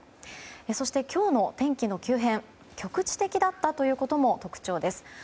そして、今日の天気の急変局地的だったということも特徴です。